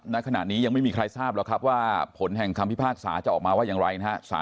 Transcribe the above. ณขณะนี้ยังไม่มีใครทราบหรอกครับว่าผลแห่งคำพิพากษาจะออกมาว่าอย่างไรนะฮะ